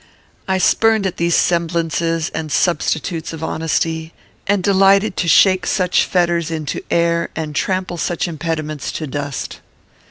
I spurned at these semblances and substitutes of honesty, and delighted to shake such fetters into air and trample such impediments to dust.